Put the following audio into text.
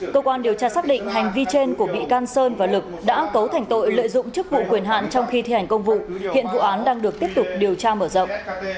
cơ quan điều tra xác định hành vi trên của bị can sơn và lực đã cấu thành tội lợi dụng chức vụ quyền hạn trong khi thi hành công vụ hiện vụ án đang được tiếp tục điều tra mở rộng